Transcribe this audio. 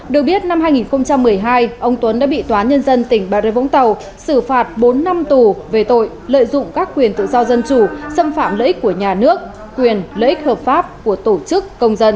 được biết năm hai nghìn một mươi hai ông tuấn đã bị tòa nhân dân tp vũng tàu xử phạt bốn năm tù về tội lợi dụng các quyền tự do dân chủ xâm phạm lợi ích của nhà nước quyền lợi ích hợp pháp của tổ chức công dân